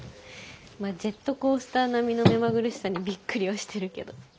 まあジェットコースター並みの目まぐるしさにびっくりはしてるけど。